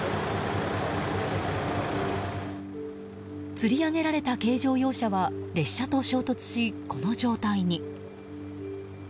つり上げられた軽乗用車は列車と衝突し、この状態に。